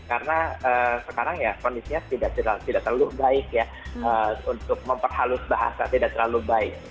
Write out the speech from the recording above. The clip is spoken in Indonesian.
karena sekarang ya kondisinya tidak terlalu baik ya untuk memperhalus bahasa tidak terlalu baik